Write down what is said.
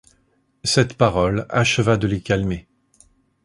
Cette parole acheva de les calmer.